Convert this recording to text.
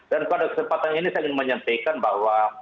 dan pada kesempatan ini saya ingin menyampaikan bahwa